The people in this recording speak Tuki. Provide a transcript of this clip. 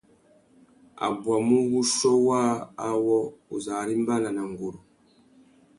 A bwamú wuchiô waā awô, uzu arimbana na nguru.